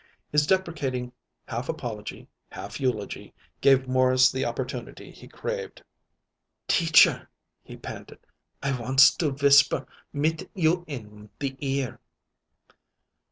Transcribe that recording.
His deprecating half apology, half eulogy, gave Morris the opportunity he craved. "Teacher," he panted; "I wants to whisper mit you in the ear."